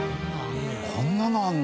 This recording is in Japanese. こんなのあるの。